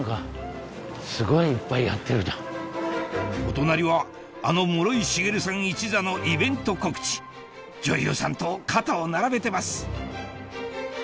お隣はあの室井滋さん一座のイベント告知女優さんと肩を並べてます！